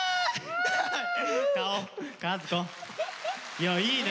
いやいいね。